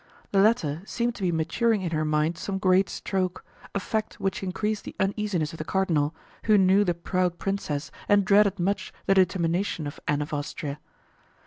The latter seemed to be maturing in her mind some great stroke, a fact which increased the uneasiness of the cardinal, who knew the proud princess and dreaded much the determination of Anne of Austria.